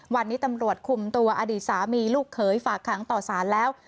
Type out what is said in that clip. วันนี้ตำรวจคุมตัวอดีตสามีลูกเขยฝากขังต่อสารแล้ว